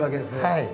はい。